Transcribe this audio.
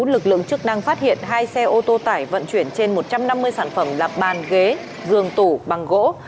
lực lượng chức năng phát hiện hai xe ô tô tải vận chuyển trên một trăm năm mươi sản phẩm là bàn ghế giường tủ bằng gỗ